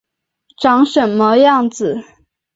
长什么样子